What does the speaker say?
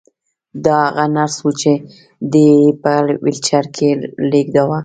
دا هغه نرس وه چې دی یې په ويلچر کې لېږداوه